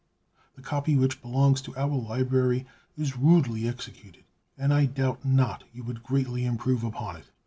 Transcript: The copy which belongs to our library is rudely executed, and I doubt not you would greatly improve upon it.